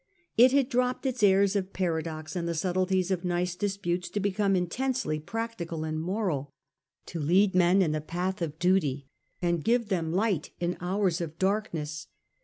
It had dropped its airs of paradox and the subtleties of nice disputes to become intensely practical and moral, to lead men in 2l8 The Earlier Empire, the path of duty, and give them light in hours of dark The case of iiess.